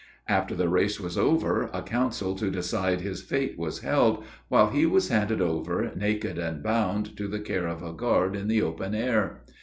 After the race was over, a council to decide his fate was held, while he was handed over, naked and bound, to the care of a guard in the open air.